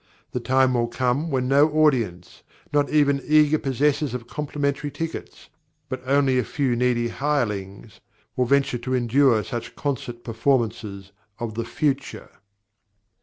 The time will come when no audience, not even eager possessors of complimentary tickets, but only a few needy hirelings, will venture to endure such concert performances of "the future."